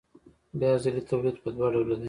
بیا ځلي تولید په دوه ډوله دی